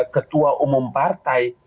ketua umum partai